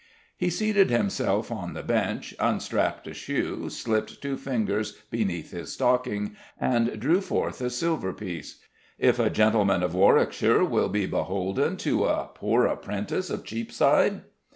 He seated himself on the bench, unstrapped a shoe, slipped two fingers beneath his stocking, and drew forth a silver piece. "If a gentleman of Warwickshire will be beholden to a poor apprentice of Cheapside?"